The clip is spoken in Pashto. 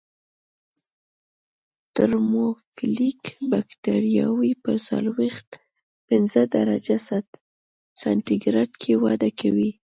ترموفیلیک بکټریاوې په څلویښت پنځه درجې سانتي ګراد کې وده کوي.